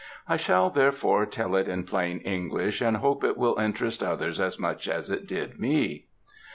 I shall, therefore, tell it in plain English; and hope it will interest others as much as it did me.